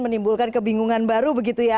menimbulkan kebingungan baru begitu ya